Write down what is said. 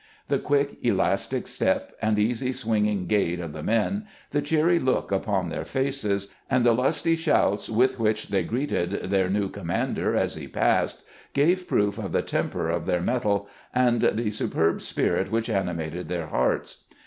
The quick, elastic step and easy, swinging gait of the men, the cheery look upon their faces, and the lusty shouts with which they greeted their new com mander as he passed, gave proof of the temper of their metal, and the supei b spirit which animated their hearts.